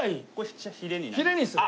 ヒレにする。